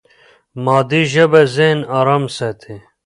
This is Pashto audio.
مادي ژبه ذهن ارام ساتي.